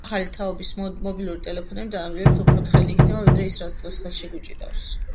ახალი თაობის მობილური ტელეფონები დანამდვილებით უფრო თხელი იქნება, ვიდრე ის, რაც დღეს ხელში გვიჭირავს.